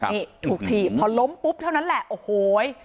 นี่ถูกถีบพอล้มปุ๊บเท่านั้นแหละโอ้โห